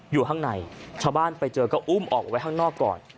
อยู่ข้างในชาวบ้านไปเจอก็อุ้มออกไปข้างนอกก่อน